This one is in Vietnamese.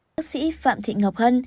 bác sĩ phạm thị ngọc hân